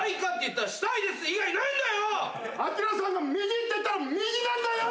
昭さんが「右」って言ったら右なんだよ！